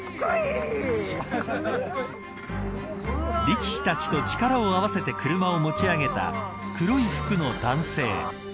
力士たちと力を合わせて車を持ち上げた黒い服の男性。